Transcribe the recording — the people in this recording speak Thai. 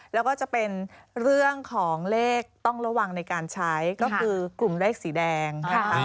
แล้วก็จะเป็นเรื่องของเลขต้องระวังในการใช้ก็คือกลุ่มเลขสีแดงนะคะ